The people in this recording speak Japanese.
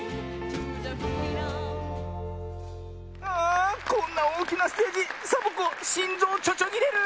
あこんなおおきなステージサボ子しんぞうちょちょぎれる！